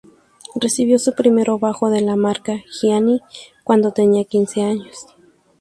Recibió su primero bajo, de la marca Giannini, cuando tenía quince años.